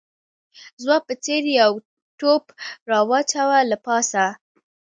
زما په څېر یو ټوپ راواچاوه له پاسه